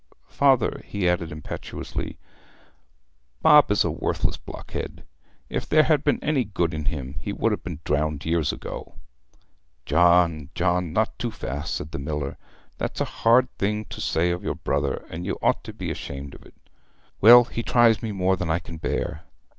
Father,' he added impetuously, 'Bob is a worthless blockhead! If there had been any good in him he would have been drowned years ago!' 'John, John not too fast,' said the miller. 'That's a hard thing to say of your brother, and you ought to be ashamed of it.' 'Well, he tries me more than I can bear.